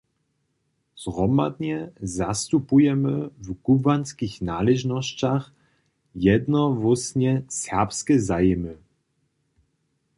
Zhromadnje zastupujemy w kubłanskich naležnosćach jednohłósnje serbske zajimy.